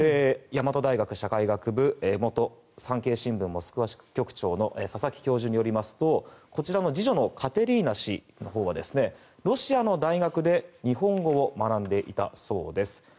大和大学社会学部元産経新聞モスクワ支局長の佐々木教授によりますとこちらも次女のカテリーナ氏のほうはロシアの大学で日本語を学んでいたそうです。